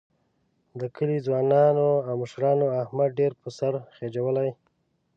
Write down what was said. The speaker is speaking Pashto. د کلي ځوانانو او مشرانو احمد ډېر په سر خېجولی.